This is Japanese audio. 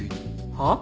はっ？